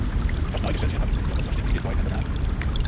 As neigesetsje hawwe wy hjoed yochert mei stikjes ierdbei en banaan.